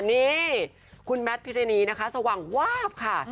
นี่คุณแมทพิรณีนะคะสว่างวาบค่ะ